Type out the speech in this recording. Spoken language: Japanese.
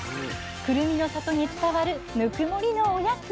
くるみの里に伝わるぬくもりのおやつ。